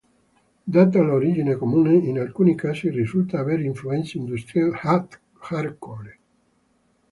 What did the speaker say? Data l'origine comune, in alcuni casi risulta avere influenze industrial hardcore.